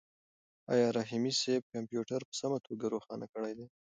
آیا رحیمي صیب کمپیوټر په سمه توګه روښانه کړی دی؟